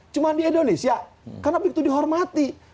cuma di indonesia karena begitu dihormati